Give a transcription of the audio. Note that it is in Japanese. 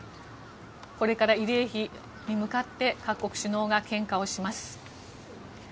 これから慰霊碑に向かって各国首脳が献花をします。